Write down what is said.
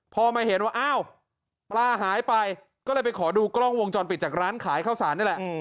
พอมาเห็นว่าอ้าวปลาหายไปก็เลยไปขอดูกล้องวงจรปิดจากร้านขายข้าวสารนี่แหละ